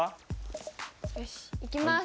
よしいきます！